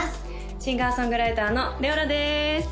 シンガー・ソングライターのＬｅｏｌａです